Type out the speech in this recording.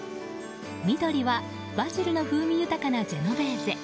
緑はバジルの風味豊かなジェノベーゼ。